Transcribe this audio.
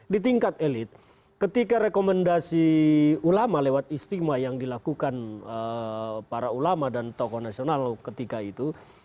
di tingkat elit ketika rekomendasi ulama lewat istimewa yang dilakukan para ulama dan tokoh nasional ketika itu